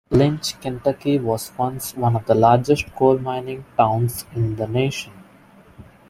Lynch, Kentucky, was once one of the largest coal mining towns in the nation.